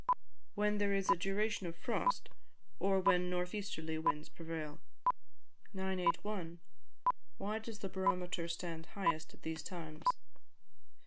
_ When there is a duration of frost, or when north easterly winds prevail. 981. _Why does the Barometer stand highest at these Times?